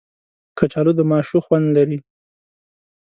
کچالو د ماشو خوند لري